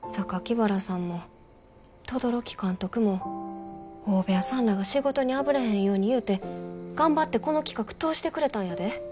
原さんも轟監督も大部屋さんらが仕事にあぶれへんようにいうて頑張ってこの企画通してくれたんやで。